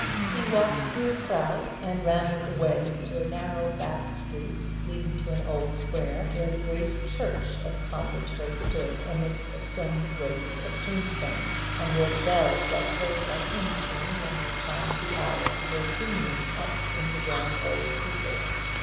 He walked through the crowd, and rambled away into a narrow back street leading to an old square, where the great church of Conventford stood amidst a stony waste of tombstones, and where the bells that played a hymn tune when they chimed the hour were booming up in the grand old steeple.